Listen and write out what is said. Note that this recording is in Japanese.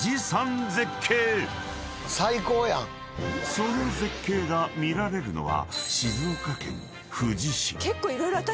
［その絶景が見られるのは］